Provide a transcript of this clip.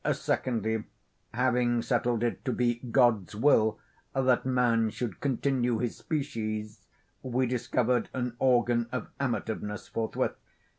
Secondly, having settled it to be God's will that man should continue his species, we discovered an organ of amativeness, forthwith.